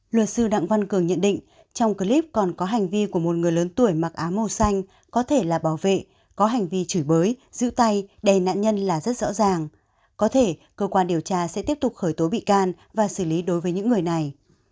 luật sư đặng văn cường nhận định trong clip còn có hành vi của một người lớn tuổi mặc áo màu xanh có thể là bảo vệ có hành vi chửi bới giữ tay đè nạn nhân là rất rõ ràng có thể cơ quan điều tra sẽ tiếp tục khởi tố bị can và xử lý đối với những người này